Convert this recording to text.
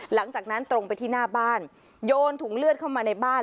หลังจากนั้นตรงไปที่หน้าบ้านโยนถุงเลือดเข้ามาในบ้าน